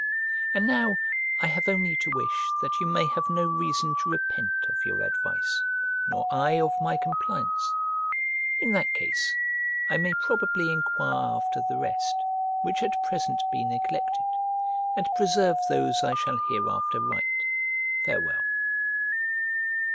And now I have only to wish that you may have no reason to repent of your advice, nor I of my compliance: in that case, I may probably enquire after the rest, which at present be neglected, and preserve those I shall hereafter write. Farewell.